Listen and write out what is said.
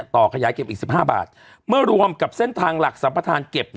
ขยายเก็บอีก๑๕บาทเมื่อรวมกับเส้นทางหลักสัมประธานเก็บ